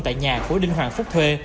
tại nhà của đinh hoàng phúc thuê